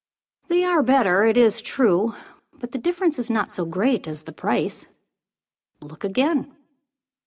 "They are better, it is true. But the difference is not so great as the price." "Look again."